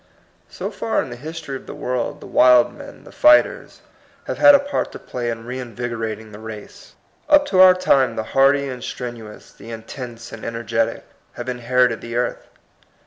So far in the history of the world, the wild men, the fighters, have had a part to play in reinvigorating the race. Up to our time the hardy and strenuous, the intense and energetic, have inherited the earth.